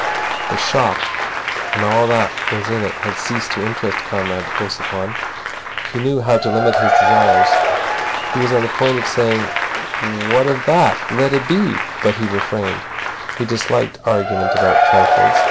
The shop and all that was in it had ceased to interest Comrade Ossipon. He knew how to limit his desires. He was on the point of saying "What of that? Let it be," but he refrained. He disliked argument about trifles.